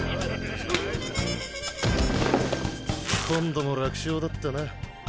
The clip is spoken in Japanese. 今度も楽勝だったな。